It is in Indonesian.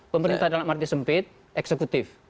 pemerintah dalam arti sempit eksekutif